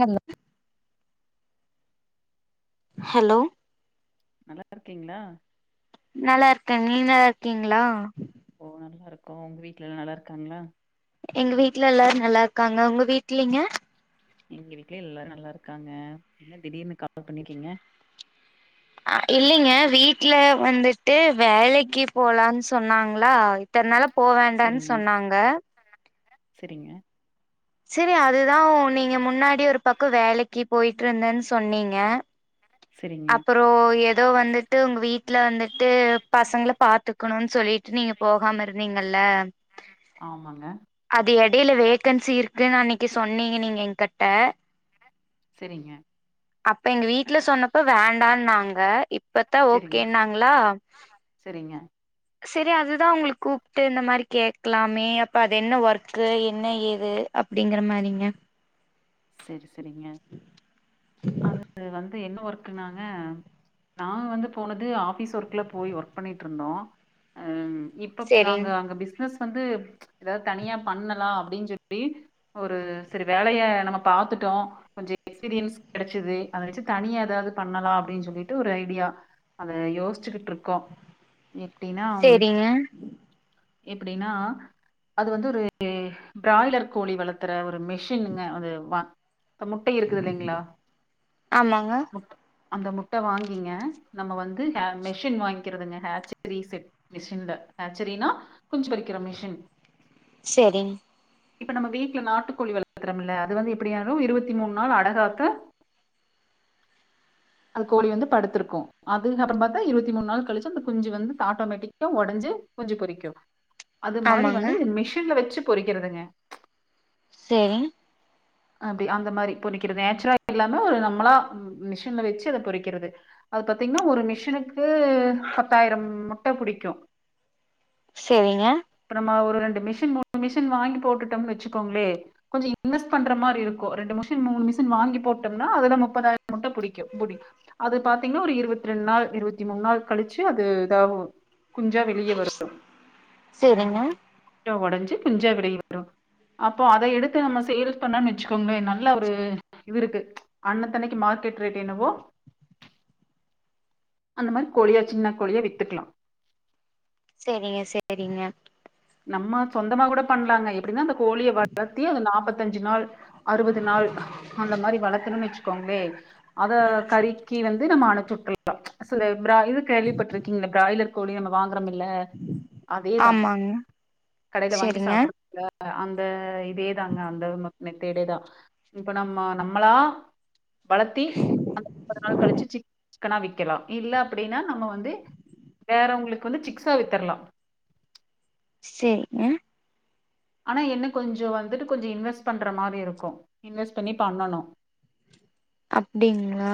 Hello hello நல்லா இருக்கீங்ளா நல்லா இருக்க நீங் நல்லா இருக்கீங்ளா ஓ நல்லா இருக்ககோ உங்க வீட்ல எல்லா நல்லா இருக்காங்களா எங்க வீட்ல எல்லாரு நல்லா இருக்காங்க உங்க வீட்லிங்க எங்க வீட்ல எல்லாரு நல்லா இருக்காங்க என்ன திடீர்னு கால் பண்ணிக்கீங்க அ இல்லிங்க வீட்ல வந்துட்டு வேலைக்கி போலான் சொன்னாங்ளா இத்தனால போ வேண்டன்னு சொன்னாங்க செரிங்க செரி அதுதா நீங்க முன்னாடி ஒரு பக்கோ வேலைக்கு போயிட்டு இருந்தன் சொன்னீங்க செரிங்க அப்புற ஏதோ வந்துட்டு உங்க வீட்ல வந்துட்டு பசங்கள பாத்துக்கணு சொல்லிட்டு நீங்க போகாம இருந்தீங்கல்ல ஆமாங்க அது இடையில வேக்கன்சி இருக்குன்னு அன்னைக்கு சொன்னீங்க நீங்க என்கிட்ட செரிங்க அப்ப எங்க வீட்டு்ல சொன்னப் அப்ப வேண்டான் நாங்க இப்பத்தா சரிங்க, ஓகேன்னாங்ளா சரிங்க. செரி அதுதா உங்களுக் கூப்ட்டு இந்த மாரி கேட்கலாமே அப்போ அது என்ன ஒர்க்கு என்ன ஏது அப்டிங்கிற மாரிங்க செரி செரிங்க அது வந்து என்ன ஒர்க் குனாங்க நா வந்து போனது ஆபிஸ் ஒர்க்ல போய் ஒர்க் பண்ணிட்டு இருந்தோ ம் இப்ப செரிங் நாங்க அங்க பிசினஸ் வந்து ஏதாவது தனியா பண்ணலா அப்டின்னு சொல்லி ஒரு செரி வேலைய நம்ம பாத்துட்டோ கொஞ்ச எக்ஸ்பீரியன்ஸ் கெடச்சது அத வச்சு தனிய ஏதாவது பண்ணலா அப்டின்னு சொல்லிட்டு ஒரு ஐடியா அத யோசிச்சுக்கிட்டு இருக்கோ எப்டின்னா செரிங்க எப்டின்னா அது வந்து ஒரு பிராய்லர் கோழி வளர்த்துற ஒரு மெஷின்ங்க அது முட்ட இருக்குது இல்லைங்ளா ஆமாங்க அந்த முட்ட வாங்கிங்க நம்ம வந்து மெஷின் வாங்கிக்கிறதுங்க ஹட்ச ரீசட் மிஷின்ல ஹசெரினா கொஞ்சு பறிக்கிற மிஷின் செரிங் இப்ப நம்ம வீட்ல நாட்டுக்கோழி வளர்க்கறோம்ல அது வந்து எப்படியாலும் இருபத்தி மூண் நாள் அடகாக அது கோழி வந்து படுத்திருக்கு அதுக்கப்பறோ பார்த்தா இருபத்தி மூணு நாள் கழிச்ச அந்த குஞ்சு வந்து ஆட்டோமேட்டிக் உடஞ்சு குஞ்சு பொறிக்கு அது மாரி ஆமாங்க வந்து இது மிஷின்ல வச்சு பொறிக்கிறதுங்க சேரி அப்டி அந்த மாதிரி பொரிக்கிறது நேச்சுரல இல்லாம ஒரு நம்மளா மிஷின்ல வச்சு அத பொறிக்கிறது அது பாத்தீங்னா ஒரு மிஷனுுக்கு பத்தாயிரம் முட்ட புடிக்கு செரிங்க இப்ப நம்ம ஒரு ரெண்டு மிஷின் மூணு மிஷின் வாங்கி போட்டுட்டோம்னு வச்சுக்கோங்ளே கொஞ்ச இன்வெஸ்ட் பண்ற மாரி இருக்கு ரெண்டு மிஷின் மூணு மிஷின் வாங்கி போட்டோம்னா அதுதா முப்பதாயிரம் முட்ட புடிக்கு புடி அது பாத்தீங்கன்னா ஒரு இருவத்தி ரெண்டு நாள் இருவத்தி மூணு நாள் கழிச்சு அது இதாவ குஞ்சா வெளியே வரும் சேரிங்க ட்ட ஒடஞ்சு குஞ்சா வெளிய வரும் அப்போ அத எடுத்து நம்ம சேல்ஸ் பண்ணனு வச்சுக்கோங்களே நல்ல ஒரு இது இருக்கு அன்னத்தனைக்கு மார்க்கெட் ரேட் என்னவோ அந்த மாரி கோழியா சின்ன கோழியா வித்துக்கலா சேரிங்க சேரிங்க நம்ம சொந்தமா கூட பண்ணலாங்க எப்டின்னா அந்த கோழிய வளத்தி அந்த நாப்பத்தஞ்சு நாள் அறுவது நாள் அந்த மாரி வளத்துணன்னு வச்சுக்கோங்களே அத கறிக்கி வந்து நம்ம அனுப்சுட்றலா சில ப்ரா இது கேள்விப்பட்ருக்கீங்களா பிராய்லர் கோழி நம்ம வாங்குறோம்மில்ல அதே தா ஆமாங்க கடைல வாங்கி செரிங்க சாப்படுறதுல அந்த இதே தாங்க அந்த மேத்தேடே தா இப்ப நம்ம நம்மளா வளத்தி அந்த நாள் கழிச்சு சி சிக்கனா விக்கலா இல்ல அப்டின்னா நம்ம வந்து வேறவுங்களுக்கு வந்து சிக்ஸா வித்தற்லா சேரிங்க ஆனா என்ன கொஞ்சி வந்துட்டு கொஞ்சோ இன்வெஸ்ட் பண்ற மாரி இருக்கு இன்வெஸ்ட் பண்ணி பண்ணணு அப்டிங்களா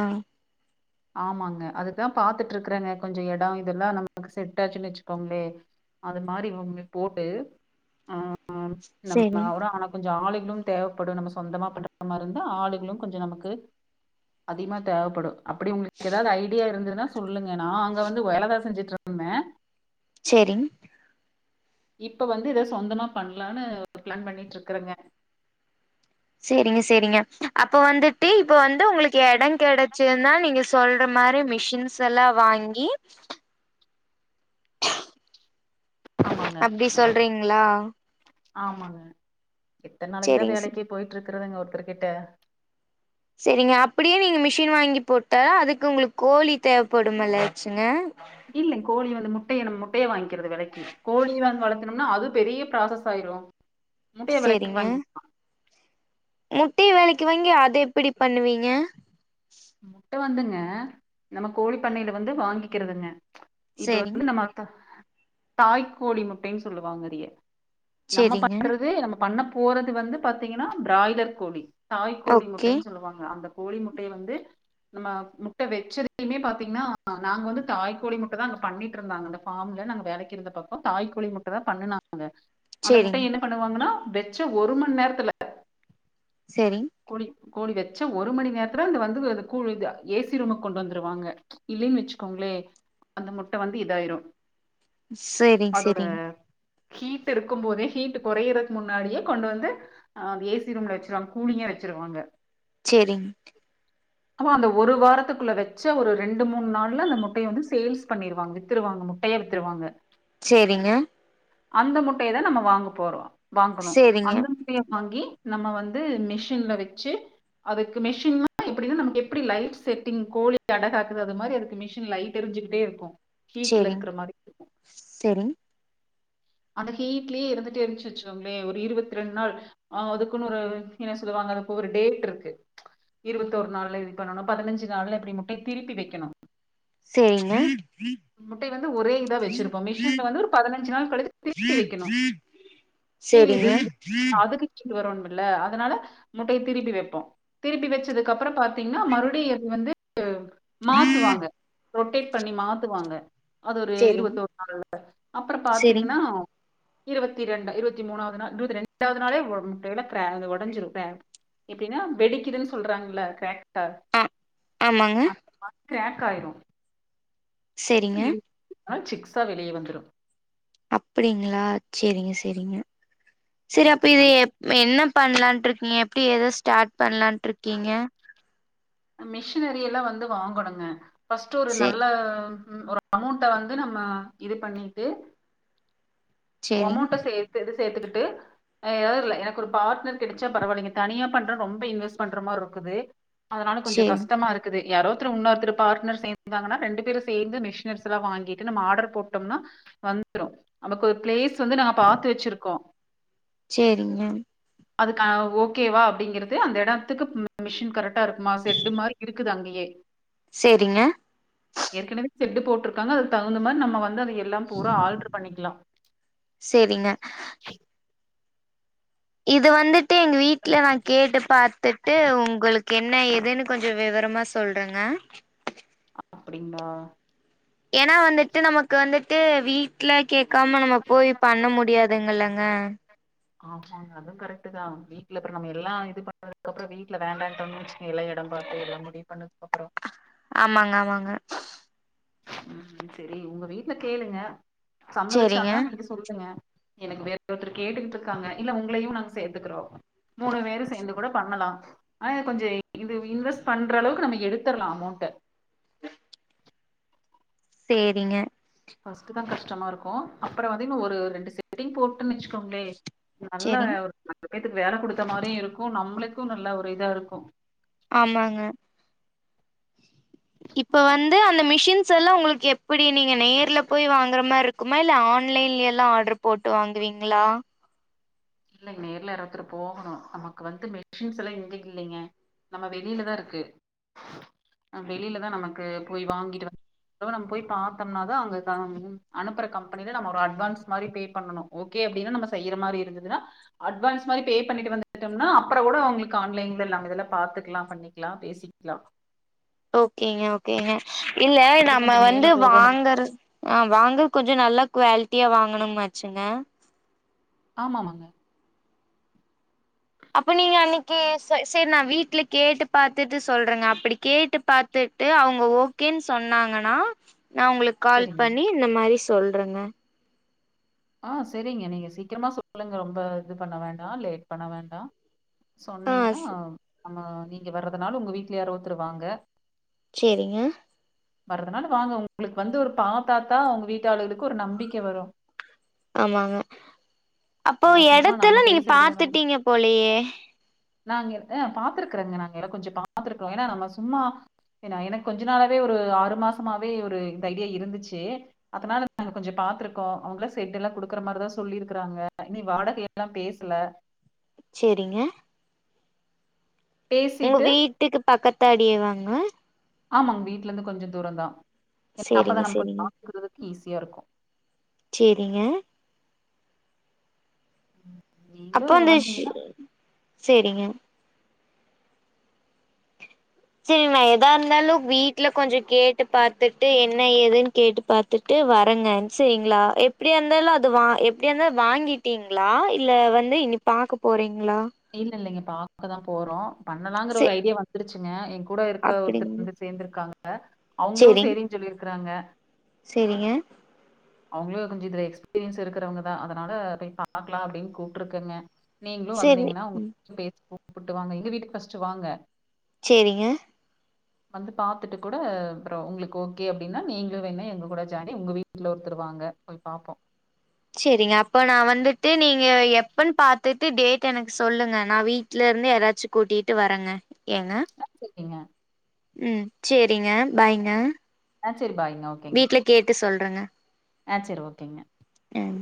ஆமாங்க அதுதா பாத்துட்டு இருக்கறேங்க கொஞ்ச இட இதெல்லா நமக்கு செட்டாச்சுன்னு வச்சுக்கோங்களே அது மாரி உங்களுக்கு போட்டு ஆ செரி நம்ம ஒற ஆனா கொஞ்ச ஆளு இன்னு தேவைப்படு நம்ம சொந்தமா பண்ற மாரி இருந்தா ஆளு இன்னு கொஞ்ச நமக்கு அதிகமா தேவப்படு அப்டி உங்களுக்கு ஏதாது ஐடியா இருந்ததுன்னா சொல்லுங்க நா அங்க வந்து வேல தா செஞ்சுட்டு இருந்தே சேரிங் இப்ப வந்து எதோ சொந்தமா பண்ணலானு ஒரு பிளான் பண்ணிட்டு இருக்கறேங்க சேரிங்க சேரிங்க அப்ப வந்துட்டு இப்ப வந்து உங்களுக்கு இடங் கிடச்சுதுன்னா நீங்க ஸ் சொல்ற மாரி மிஷின்ஸ் எல்லா வாங்கி ஆமாங்க அப்டி சொல்றீங்களா ஆமாங்க எத்தன் நாளைக்கு தா சேரிங்க சே வேலைக்கி போயிட்டு இருக்கறதுங்க ஒருத்தர்கிட்ட சேரிங்க அப்டியே நீங்க மிஷின் வாங்கி போட்டா அதுக்கு உங்களுக்கு கோழி தேவைப்படும் இல்லாச்சுங்க இல்லேங் கோழிய வந்து முட்டைய நம் முட்டைய வாங்கிக்கிறது விலக்கி கோழிய வந்து வளத்துனும்னா அது பெரிய ப்ராசஸ் ஆயிரு முட்டைய வெலக்கி சேரிங்க வாங்கிக்ளா முட்டை வெலைக்கு வாங்கி அத எப்படி பண்ணுவீங்க முட்ட வந்துங்க நம்ம கோழி பண்ணையில வந்து வாங்கிக்கிறதுங்க இப்ப சேரிங் வந்து நம்ம அந்த தாய்கோழி முட்டைன்னு சொல்லுவாங்க அதைய நம்ம சேரிங்க பண்றது நம்ம பண்ண போறது வந்து பாத்தீங்கன்னா பிராய்லர் கோழி தாய் கோழி ஓகே முட்டைன்னு சொல்லுவாங்க அந்த கோழி முட்டைய வந்து நம்ம முட்டை வச்சதுலையுமே பாத்தீங்கன்னா நாங்க வந்து தாய் கோழி முட்ட தா அங்க பண்ணிட்டு இருந்தாங்க அந்த ஃபார்ம்ல நாங்க வேலக்கு இருந்த பக்கோ தாய்கொழி முட்டை தா பண்ணுனாங்க. அந்த முட்டை சேரிங் என்ன பண்ணுவாங்கன்னா வெச்ச ஒரு மண் நேரத்துல சேரி கோழி கோழி வச்சு ஒரு மணி நேரத்துல அந்த வந்து கூலிஞ்சா ஏசி ரூமுக்கு கொண்டு வந்துருவாங்க இல்லைன்னு வச்சுக்கோங்களே அந்த முட்ட வந்து இதாயிரு சேரிங் அதோட சேரிங் ஹீட் இருக்கும் போதே ஹீட் கொறையறக்கு முன்னாடியே கொண்டு வந்து அ ஏ சி ரூம்ல வெச்சிருவாங் கூலிங்கா வெச்சிருவாங்க. சேரிங் அப்ப அந்த ஒரு வாரத்துக்குள்ள வெச்ச ஒரு ரெண்டு மூன் நாள்ல அந்த முட்டைய வந்து சேல்ஸ் பண்ணிருவாங்க வித்துருவாங்க முட் டைய வித்துருவாங்க. சேரிங்க அந்த முட்டையதா நம்ம வாங்கப் போறோ வாங்கணு சேரிங்க அந்த முட்டைய வாங்கி நம்ம வந்து மிஷின்ல வச்சி அதுக்கு மிஷின்னா அப்டினா நமக்கு எப்டி லைட் செட்டிங் கோழி அடகாக்குது அது மாரி அதுக்கு மிஷின் லைட்டெரிஞ்சுகிட்டே இருக்கு ஹீட்ல இருக்குற மாரி செரிங் அந்த ஹீட்லியே இருந்துட்டே இருந்துச்சு வச்சுகோங்ளே ஒரு இருத்தி ரெண்டு நாள் ஆ அதுக்குனு ஒரு என்ன சொல்லுவாங்க அதுப்ப ஒரு டேட் இருக்கு இருபத்தொரு நாள்ல இது பண்ணணு பதனஞ்சி நாள்ல எப்டி முட்டை திருப்பி வெக்கணு சேரிங்க முட்டை வந்து ஒரே இதா வச்சிருப்போம் மிஷின்ல வந்து ஒரு பதனஞ்சு நாள் கழித்து திருப்பி வெக்கிணு கீழ் சேரிங்க இது அதுக்கு கீழ் வருன்மில்ல அதனால முட்டையத் திருப்பி வெப்போம். திருப்பி வெச்சதுக்கப்பறோ பாத்தீங்னா மறுபுடியு ஏறி வந்து மாத்துவாங்க ரொட்டேட் பண்ணி மாத்துவாங்க அது ஒரு சேரிங் இருவத்தோர் நாள்ல அப்றோ சேரிங் பாத்தீங்னா இருவத்தி ரெண்டா இருவத்தி மூணாவது நாள் இருவத்தி ரெண்டாவது நாளே [unintelligible] எப்டினா வெடிக்குதுன் சொல்றாங்கள க்ரேக்ட்டார் ஆ ஆமாங்க அந்த மா கிரேக் ஆயிரு சேரிங்க ஆனா சிக்ஸா வெளியே வந்துரு அப்பிடிங்ளா சேரிங்க சேரிங்க சேரி அப்ப இது நல்லா எப் ம என்னப் பண்லான்ட்ருக்கீங்க எப்டி எத ஸ்டார்ட் பண்லான்ட்ருக்கீங்க மிஷினரி எல்லா வந்து வாங்கணுங்க ஃபர்ஸ்ட்டு ஒரு சே நல்ல ம் ஒரு அமௌண்ட்ட வந்து நம்ம இதுப் பண்ணிட்டு சேரிங் அமௌண்ட்ட சே து எது சேத்துகிட்டு அ எதாதுர்ல எனக்கு ஒரு பார்ட்னர் கெடச்சா பரவால்லிங்க தனியாப் பண்ற ரொம்ப இன்வெஸ்ட் பண்ற மார்ருக்குது அதனால கொஞ்சோ சேரிங் கஷ்டமாருக் இக்குது யாரோர்த்ரு இன்னோர்த்துரு பார்ட்னர் சேந்தாங்கனா ரெண்டு பேரு சேர்ந்து மிஷினர்ஸ்லா வாங்கிட்டு நம்ம ஆர்டர் போட்டோம்னா வந்ரு நமக்கு ஒரு பிளேஸ் வந்து நாங்க பாத்து வச்சிருக்கோ சேரிங்க அதுகா ஓகேவா அப்டிங்கிறது அந்த எடத்துக்கு ம் மிஷின் கரெக்டா இருக்குமாச் செட்டு மாரி இருக்குது அங்கயே சேரிங்க ஏற்கனவே செட்டு போட்ருக்காங்க அதுக்கு தகுந்த மாரி நம்ம வந்து அத எல்லாம் பூரா ஆல்ட்ரு பண்ணிக்லா சேரிங்க இது வந்துட்டு எங்க வீட்ல நாங் கேட்டுப் பாத்துட்டு உங்களுக்கு என்ன ஏதுனு கொஞ்சோ விவரமாச் சொல்றங்க அப்டிங்ளா! எனா வந்துட்டு நமக்கு வந்துட்டு வீட்ல கேக்காம நம்ம போய் ஆமா பண்ண முடியாது துங்கல்லங்க ஆஹ அது கரெக்ட் தா வீட்ல அப்றோ நம்ம எல்லா இது பண்ணதுக்கு அப்றோ வீட்ல வேண்டான்டாங்கனு வச் எல்லா எடம் பாத்து எல்லா முடி பண்ணதுக்கு அப்பறோ ஆமாங்க ஆமாங்க ம் செரி உங்க வீட்ல கேளுங்க சேரிங்க சம்மதிச்சாங்கன்னா நீங்க சொல்லுங்க எனக்கு வேற ஒருத்தரு கேட்டுக்கிட்டுருக் காங்க இல்ல உங்ளையு நாங்க சேத்துக்கிறோ மூணு வேரு சேந்து கூட பண்ணலா ஆன இது கொஞ்ச இது இன்வெஸ்ட் பண்ற அளவுக்கு நம்ம எடுத்தரல்லா அமௌண்ட்ட சேரிங்க ஃபர்ஸ்ட்டு தா கஷ்டமா இருக்கு அப்பற வந்து இன்ன ஒரு ரெண்டு செட்டிங் போட்டுன்னு வச்சுக்கோங்ளே நல்ல சேரிங் ஒரு நாலு பேத்துக்கு வேல குடுத்த மாரியு இருக்கு நம்ளுக்கு நல்ல ஒரு இதா இருக்கு ஆமாங்க இப்ப வந்து அந்த மிஷின்ஸ் எல்லா உங்களுக்கு எப்டி நீங்க நேர்ல போய் வாங்ற மாரிருக் க்குமா இல்ல ஆன்லைன்ல எல்லா ஆர்டர் போட்டு வாங்குவீங்ளா இல்ல நேர்ல யாராத்தொரு போகணு நமக்கு வந்து மெஷின்ஸ் எல்லா எங்கயு இல்லைங்க நம்ம வெளியிலதா இருக்கு வெளியிலதா நமக்கு போய் வாங்கிட்டு வந் அதுவு நம்ம போய் பாத்தோம்ன தா அங்க தா ம் அனுப்பற கம்பனில நம்ம ஒரு அட்வான்ஸ் மாரி பே பண்ணனு ஓகே அப்டின்னா நம்ம செய்யற மாரி இருந்துதுன்னா அட்வான்ஸ் மாரி பே பண்ணிட்டு வந்துட்டோம்னா அப்ற கூட அவங்களுக்கு ஆன்லைன்ல எல்லா இதல்லா பாத்துக்லா பண்ணி க்கலா பேசிக்லா ஓகேங்க ஓகேங்க இல்ல அது நம்ம கொஞ்ச வந்து நேர்ல போகணு வாங்கற ஆ வாங்க கொஞ்சோ நல்ல குவாலிட்டியா வாங்கணும் ஆச்சுங்க ஆமாமாங்க அப்போ நீங்க அன்னைக்கி செ செரி நா வீட்ல கேட்டு பாத்துட்டு சொல்றேங்க அப்டி கேட்டு பாத்துட்டு அவுங்க ஓகேன்னு சொன்னாங்கன்னா நா உங்களுக்கு கால் சரிங்க. பண்ணி இந்த மாரி சொல்றங்க ஆ செரிங்க நீங்க சீக்கிரமா சொல்லுங்க ரொம்ப இது பண்ண வேண்டா லேட் பண்ண வேண்டா ஆ சொன்னீங்கன்னா நம்ம நீங்க வர்றதுனாலு உங்க வீட்ல யாரு ஒத்துருவாங்க செரிங்க வர்துனால வாங்க உங்களுக்கு வந்து ஒரு பாத்தாத்தா உங்க வீட்டாளலுகளுக்கு ஒரு நம்பிக்க வரு அப்போ ஏன்னா சும்மா நம்ம எடத்தல நீங்க பேசுறதுல நம்பி பாத்துட்டீங்க போலேயே நாங்க ஆ பாத்துருக்கறங்க நாங்க எட கொஞ்ச பாத்துருக்கிறோ ஏனா நம்ம சும்மா ஏனா எனக்கு கொஞ்ச நாளாவே ஒரு ஆறு மாசமாவே ஒரு இந்த ஐடியா இருந்துச்சு அதனால நாங்க கொஞ்ச பாத்துருக்கோ அவுங்கால செட்ல்லா குடுக்குற மாரிதா சொல்லி இருக்றாங்க இனி வாடகை எல்லா பேசல செரிங்க பேசிட்டு உங்க வீட்டுக்கு பக்கத்தாடியே வாங்க ஆமாங்க வீட்லந்து கொஞ்ச தூரந்தா ஏனா அப்ப சேரிங்க தா நம்ம போய் சேரிங்க பாக்கறதுக்கு ஈஸியாக இருக்கு செரிங்க ம் அப்போ ஸ் செரிங்க சேரி எதா இருந்தாலு வீட்ல கொஞ்ச கேட்டு பாத்துட்டு என்ன எதுன்னு கேட்டு பாத் துட்டு வரங்க செரிங்ளா எப்டியா இருந்தாலு அது வா எப்டியா இருந்தாலு வாங்கிட்டீங் ங்ளா இல்ல வந்து இனி பாக்க போறீங்ளா இல்ல இல்லைங்க பாக்கதா போறோ பண்ணலாங்ற சே ஒரு ஐடியா வந்துருச்சுங்க எ கூட இருக்க ஒருத்தர் அப்டிங்க வந்து சேந்திருக்காங்க அவங்களு சேரிங் செரினு சொல்லிருக்கறாங்க சேரிங்க அவங்களு கொஞ்சோ இதல எக்ஸ்பீரியன்ஸ் இருக்கறவங்கதா அதனால போய் பாக்கலா அப்டின்னு கூப்பிட்டுருக்கங்க நீங்களு சேரி வந்தீங்கனா ம் உங்க பேசி கூப்ட்டு வாங்க எங்க வீட்டுக்கு ஃபர்ஸ்ட்டு வாங்க சேரிங்க வந்து பாத்துட்டு கூட அப்றோ உங்களுக்கு ஓகே அப்டினா நீங்களு வேணா எங்க கூட ஜாடி உங்க வீ இதுல ஒருத்தர் வாங்க போய் பாப்போ சேரிங்க அப்போ நா வந்துட்டு நீங்க எப்பன் பாத்துட்டு டேட் எனக்கு சொல்லுங்க நா வீ ட்லந்து யாராச்சு கூட்டிட்டு வர்றங்க ஏங்க ஆ சேரிங்க ம் சேரிங்க பாய்ங்க ஆ சேரி பாய்ங்க ஓகேங்க வீட்ல கேட்டு சொல்றங்க ஆ சேரி ஓகேங்க ம்